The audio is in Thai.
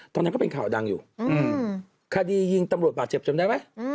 ตอนนั้นก็เป็นข่าวดังอยู่คดียิงตำรวจบาดเจ็บจำได้ไหม